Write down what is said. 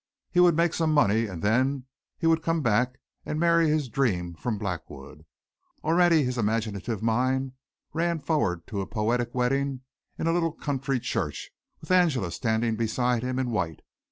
He would make some money and then he would come back and marry his dream from Blackwood. Already his imaginative mind ran forward to a poetic wedding in a little country church, with Angela standing beside him in white.